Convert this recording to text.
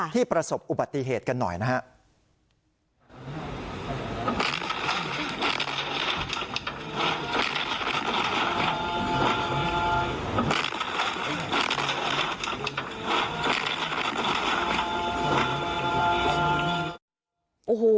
ที่ประสบอุบัติเหตุกันหน่อยนะฮะ